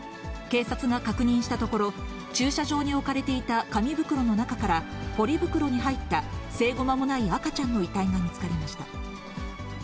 警察が確認したところ、駐車場に置かれていた紙袋の中から、ポリ袋に入った生後間もない赤ちゃんの遺体が見つかりました。